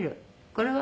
「これは？」